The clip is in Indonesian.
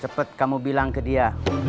cepat kamu bilang ke dia